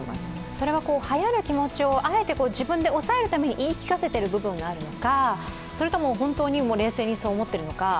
それは、はやる気持ちをあえて自分で抑えるために言い聞かせてる部分があるのかそれとも本当に冷静にそう思っているのか